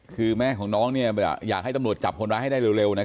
คือแม่ของน้องเนี่ยอยากให้ตำรวจจับคนร้ายให้ได้เร็วเร็วนะครับ